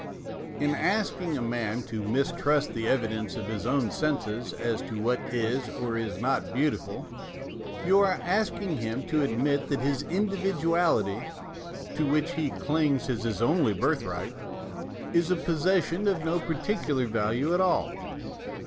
In asking a man to mis trust the evidence of his own senses as to what is or is not beautiful, you are ask ing him to admit that his individuality, to which he clings as his only birthright, is a possession of no particular value after all.